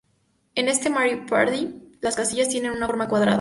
En este Mario Party, las casillas tienen una forma cuadrada.